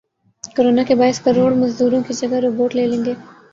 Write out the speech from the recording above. corona کے باعث کروڑ مزدوروں کی جگہ روبوٹ لے لیں گے